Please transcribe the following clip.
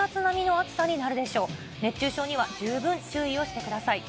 熱中症には十分注意をしてください。